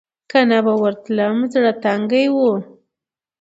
که نه به ورتلم زړه تنګۍ و.